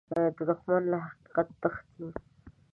دښمن له حقیقت تښتي